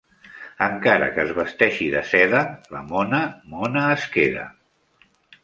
Encara que es vesteixi de seda, la mona mona es queda.